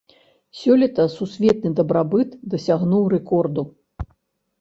Сёлета сусветны дабрабыт дасягнуў рэкорду.